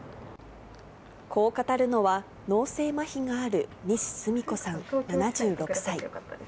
こう語るのは、脳性まひがある西スミ子さん７６歳。